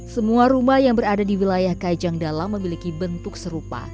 semua rumah yang berada di wilayah kajang dalam memiliki bentuk serupa